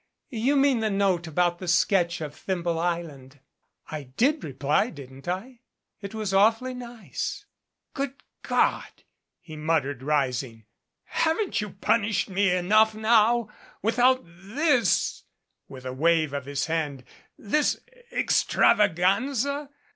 You mean the note about the sketch of Thimble Island? I did reply, didn't I? It was awfully nice " "Good God !" he muttered, rising. "Haven't you pun 1 ished me enough now, without this " with a wave of his lhand "this extravaganza.